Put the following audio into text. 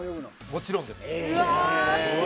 もちろんです。